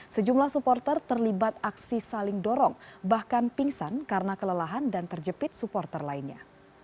sejumlah supporter terlibat aksi saling dorong bahkan pingsan karena kelelahan dan terjepit supporter lainnya